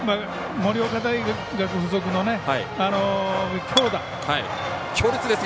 盛岡大学付属の強打。